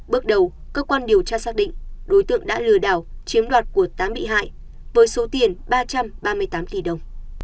bước đầu cơ quan điều tra xác định đối tượng đã lừa đảo chiếm đoạt của tám bị hại với số tiền ba trăm ba mươi tám tỷ đồng